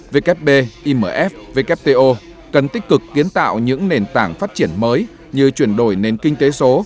wb imf wto cần tích cực kiến tạo những nền tảng phát triển mới như chuyển đổi nền kinh tế số